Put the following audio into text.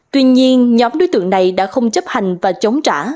tuy nhiên nhóm đối tượng này đã không chấp hành và chống trả